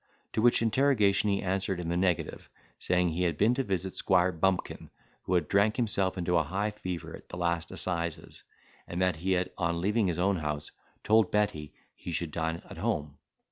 To which interrogation he answered in the negative, saying, he had been to visit Squire Bumpkin, who had drank himself into a high fever at the last assizes; and that he had, on leaving his own house, told Betty he should dine at home.